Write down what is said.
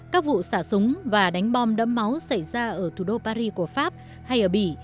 các vụ xả súng và đánh bom đẫm máu xảy ra ở thủ đô paris của pháp hay ở bỉ